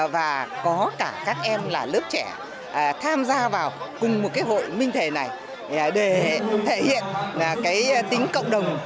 và có cả các em là lớp trẻ tham gia vào cùng một cái hội minh thể này để thể hiện cái tính cộng đồng